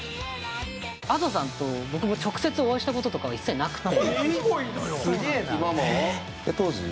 Ａｄｏさんと僕も直接お会いした事とかは一切なくて。